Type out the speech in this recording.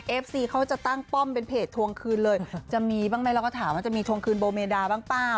ซีเขาจะตั้งป้อมเป็นเพจทวงคืนเลยจะมีบ้างไหมเราก็ถามว่าจะมีทวงคืนโบเมดาบ้างเปล่า